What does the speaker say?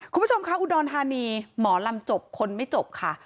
คุณผู้ชมคะอุดรธานีหมอลำจบคนไม่จบค่ะ